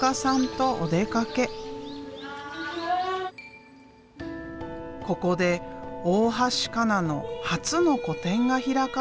ここで大橋加奈の初の個展が開かれている。